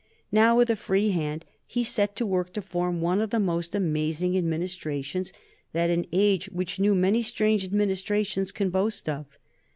Now, with a free hand, he set to work to form one of the most amazing Administrations that an age which knew many strange Administrations can boast of.